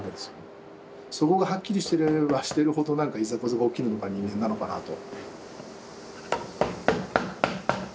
そこがはっきりしてればしてるほどなんかいざこざが起きるのが人間なのかなと。